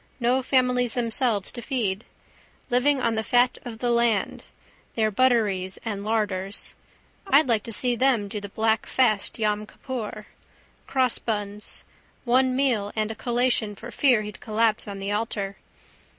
No families themselves to feed. Living on the fat of the land. Their butteries and larders. I'd like to see them do the black fast Yom Kippur. Crossbuns. One meal and a collation for fear he'd collapse on the altar.